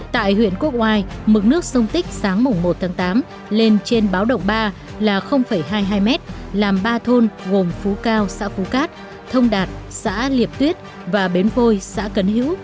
tại huyện quốc oai mực nước sông tích sáng mùng một tháng tám lên trên báo động ba là hai mươi hai m làm ba thôn gồm phú cao xã phú cát thông đạt xã liệp tuyết và bến vôi xã cấn hữu